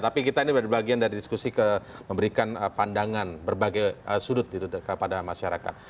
tapi kita ini bagian dari diskusi ke memberikan pandangan berbagai sudut kepada masyarakat